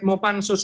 mau pan sus